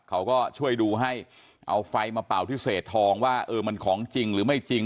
เขาก็ช่วยดูให้เอาไฟมาเป่าที่เศษทองว่าเออมันของจริงหรือไม่จริง